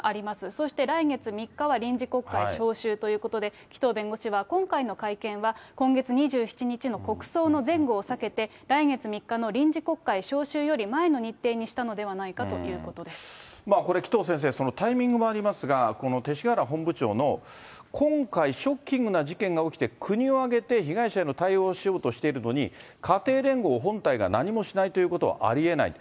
そして来月３日は臨時国会召集ということで、紀藤弁護士は今回の会見は、今月２７日の国葬の前後を避けて、来月３日の臨時国会召集より前の日程にしたのではないかというここれ、紀藤先生、タイミングもありますが、勅使河原本部長の今回、ショッキングな事件が起きて国を挙げて被害者への対応をしようとしているのに、家庭連合本体が何もしないということはありえない。